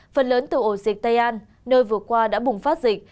phần lớn từ ổ dịch tây an nơi vừa qua đã bùng phát dịch